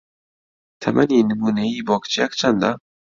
تەمەنی نموونەیی بۆ کچێک چەندە؟